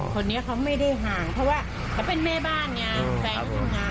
คนนี้เขาไม่ได้ห่างเพราะว่าเขาเป็นแม่บ้านไงแฟนเขาทำงาน